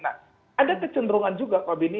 nah ada kecenderungan juga pak beni